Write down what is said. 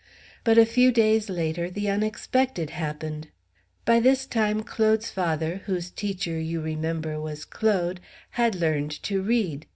But a few days later the unexpected happened. By this time Claude's father, whose teacher, you remember, was Claude, had learned to read.